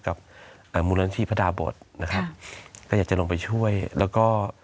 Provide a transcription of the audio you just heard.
กับเอ่อมูลนิธิพระดาบทนะครับก็อยากจะลงไปช่วยแล้วก็